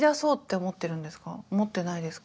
思ってないですか？